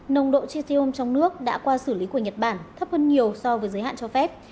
nồng độ checium trong nước đã qua xử lý của nhật bản thấp hơn nhiều so với giới hạn cho phép